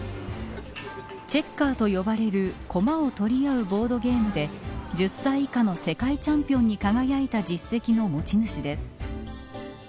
チェッカーと呼ばれる駒を取り合うボードゲームで１０歳以下の世界チャンピオンに輝いた実績の持ち主です。